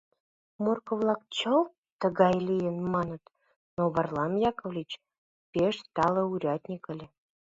Морко-влак «чылт тыгак лийын» маныт, но Варлам Яковлевич пеш тале урядник ыле.